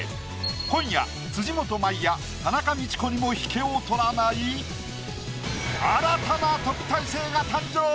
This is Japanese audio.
今夜辻元舞や田中道子にも引けを取らない新たな特待生が誕生！